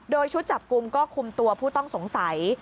โดยชุดจับกลุ่มก็คุมตัวผู้ต้องสงสัย